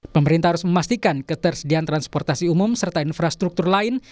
pemerintah harus memastikan ketersediaan transportasi umum serta infrastruktur lain